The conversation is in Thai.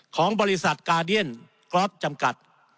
ของบริษัทกาเดียนกรอฟจำกัด